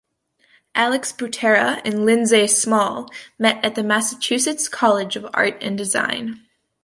Alex Butera and Lindsay Small met at Massachusetts College of Art and Design.